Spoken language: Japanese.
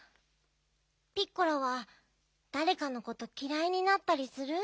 ピッコラはだれかのこときらいになったりする？